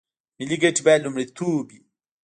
ملي ګټې باید لومړیتوب وي